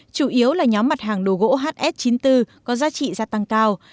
chủ yếu là nhóm mặt hàng đồ gỗ hs chín mươi bốn có giá trị gia tăng cao